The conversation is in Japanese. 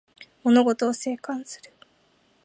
物事を静観する